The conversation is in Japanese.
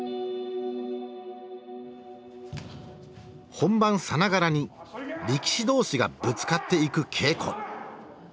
本番さながらに力士同士がぶつかっていく稽古。